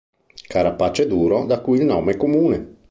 Carapace duro, da cui il nome comune.